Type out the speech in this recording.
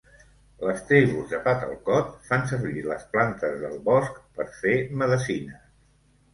Les tribus de Patalkot fan servir les plantes del bosc per fer medecines.